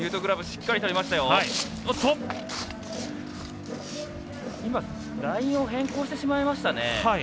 ラインを変更してしまいましたね。